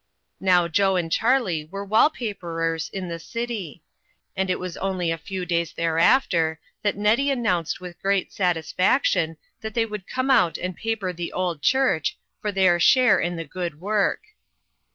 Now Joe and Charlie were wall paperers in the city ; and it was only a few days thereafter that Nettie announced with great satisfaction that they would come out and paper the old church, for their share in the good work.